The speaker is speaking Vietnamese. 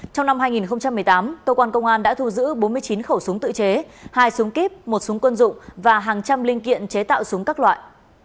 trong năm hai nghìn một mươi tám cơ quan công an đã thu giữ bốn mươi chín khẩu súng tự chế hai súng kíp một súng quân dụng và hàng trăm linh linh kiện chế tạo súng các loại